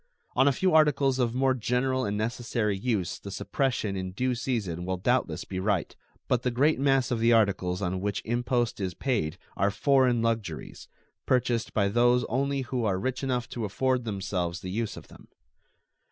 On a few articles of more general and necessary use the suppression in due season will doubtless be right, but the great mass of the articles on which impost is paid are foreign luxuries, purchased by those only who are rich enough to afford themselves the use of them.